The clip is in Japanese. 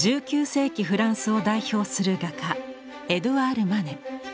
１９世紀フランスを代表する画家エドゥアール・マネ。